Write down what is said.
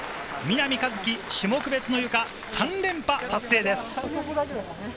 南一輝、種目別のゆか、３連覇達成です。